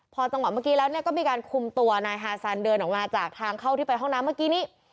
พอจังหวะเมื่อกี้แล้วก็มีการคุมตัวนายฮาซันเดินออกมาจากทางเข้าที่ไปห้องน้ำเมื่อกี้นี้